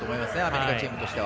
アメリカチームとしては。